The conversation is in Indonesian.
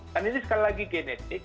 dan ini sekali lagi genetik